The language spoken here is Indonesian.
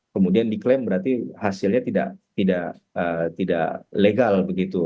kemudian diklaim berarti hasilnya tidak legal begitu